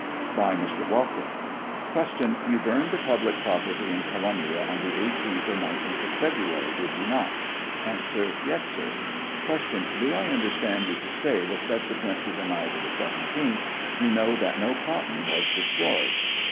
By Mr. "Walker : Q. You burned the public property in Columbia on the 18th or 19th of February, did you not ? A. Yes, sir, Q. Do I understand you to say that subsequent to the night of the 17th you know that no cotton was destroyed